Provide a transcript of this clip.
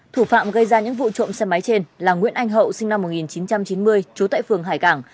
thủ phạm gây ra những vụ trộm xe máy trên là nguyễn anh hậu sinh năm một nghìn chín trăm chín mươi trú tại phường hải cảng